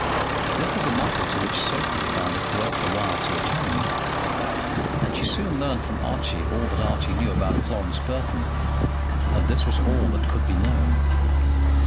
This was a matter to which Sophie found it worth her while to attend, and she soon learned from Archie all that Archie knew about Florence Burton. And this was all that could be known.